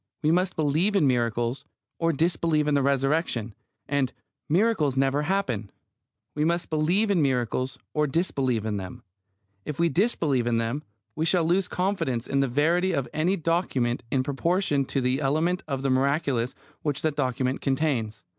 We must believe in miracles, or disbelieve in the Resurrection; and "miracles never happen." We must believe miracles, or disbelieve them. If we disbelieve them, we shall lose confidence in the verity of any document in proportion to the element of the miraculous which that document contains.